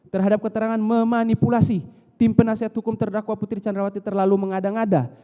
terhadap keterangan memanipulasi tim penasihat hukum terdakwa putri candrawati terlalu mengada ngada